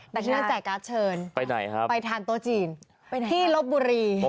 นี่ฉันจะแจกการ์ดเชิญไปทานโต๊ะจีนที่ลบบุรีไปไหนครับ